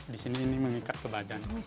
di sini ini mengikat ke badan